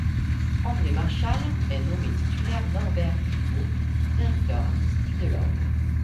André Marchal est nommé titulaire, Norbert Dufourcq directeur artistique de l’orgue.